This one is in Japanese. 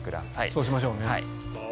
そうしましょう。